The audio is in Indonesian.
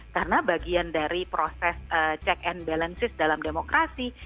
karena bagian dari proses check and balances dalam demokrasi